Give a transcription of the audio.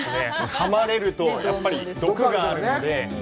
かまれるとやっぱり毒があるので。